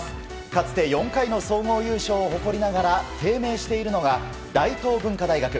かつて４回の総合優勝を誇りながら低迷しているのが大東文化大学。